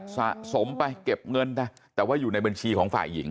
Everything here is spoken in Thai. สะสมไปเก็บเงินนะแต่ว่าอยู่ในบัญชีของฝ่ายหญิง